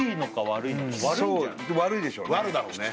悪いでしょうね